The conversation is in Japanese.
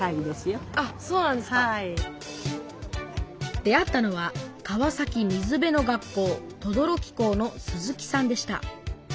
出会ったのは「かわさき水辺の楽校とどろき校」の鈴木さんでした。